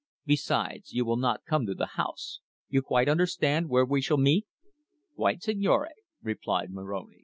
Besides, you will not come to the house. You quite understand where we shall meet?" "Quite, signore," replied Moroni.